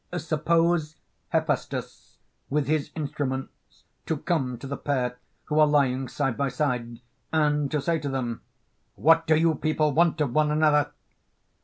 Suppose Hephaestus, with his instruments, to come to the pair who are lying side by side and to say to them, 'What do you people want of one another?'